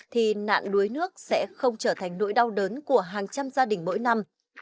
thì nạn đuối nước sẽ không trở thành nỗi đau đớn của hàng trăm gia đình mỗi năm